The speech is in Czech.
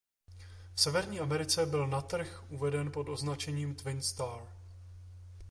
V Severní Americe byl na trh uveden pod označením Twin Star.